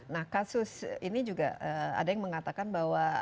nah kasus ini juga ada yang mengatakan bahwa